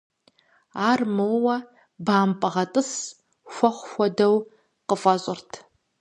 Ар моуэ бампӏэ гъэтӏыс хуэхъу хуэдэу къыфӏэщӏырт.